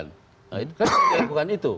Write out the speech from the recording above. nah ini kan bukan itu